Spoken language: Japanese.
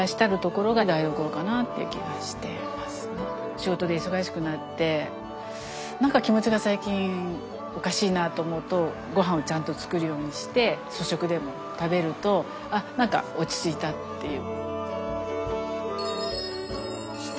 仕事で忙しくなって何か気持ちが最近おかしいなと思うとごはんをちゃんと作るようにして粗食でも食べると何か落ち着いたっていう。